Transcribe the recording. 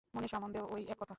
মনের সম্বন্ধেও ঐ এক কথা।